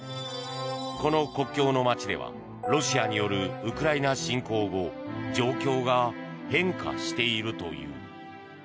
この国境の街ではロシアによるウクライナ侵攻後状況が変化しているという。